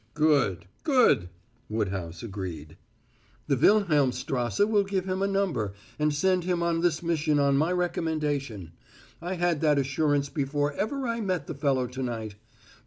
"Good, good!" Woodhouse agreed. "The Wilhelmstrasse will give him a number, and send him on this mission on my recommendation; I had that assurance before ever I met the fellow to night.